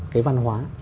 cái văn hóa